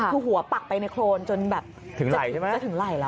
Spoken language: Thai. คือหัวปักไปในโครนจนแบบจะถึงไหล่แล้ว